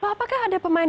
apakah ada pemain